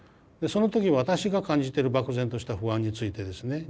その時私が感じてる漠然とした不安についてですね